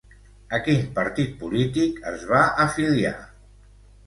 A quin partit polític es va afiliar?